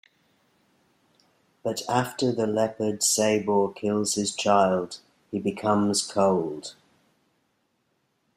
But after the leopard Sabor kills his child, he becomes cold.